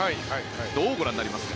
どうご覧になりますか？